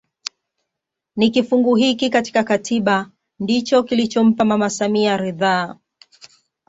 Ni kifungu hiki katika katiba ndicho kilichompa mama samia ridhaa